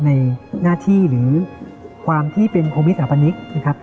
ในหน้าที่หรือความที่เป็นคอมมิสถาปนิกนะครับ